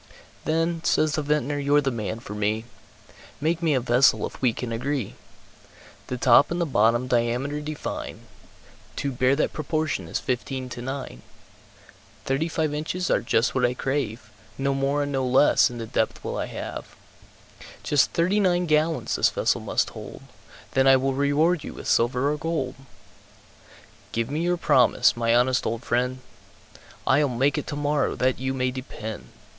"Then," says the Vintner, "you're the man for me, Make me a vessel, if we can agree. The top and the bottom diameter define, To bear that proportion as fifteen to nine, Thirty five inches are just what I crave, No more and no less, in the depth, will I have; Just thirty nine gallons this vessel must hold, Then I will reward you with silver or gold, Give me your promise, my honest old friend?" "I'll make it tomorrow, that you may depend!"